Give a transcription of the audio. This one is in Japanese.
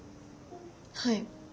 はい。